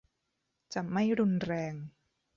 จะไม่รุนแรง